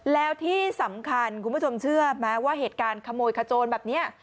แล้วที่สำคัญคุณผู้ชมเชื่อไหมว่าเหตุการณ์ขโมยขโจรแบบนี้